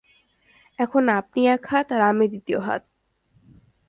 এখন আপনি এক হাত, আর আমি দ্বিতীয় হাত।